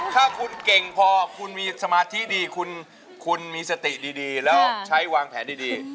ถ้าคุณเก่งพอคุณมีสมาธิดีคุณมีสติดีแล้วใช้วางแผนดี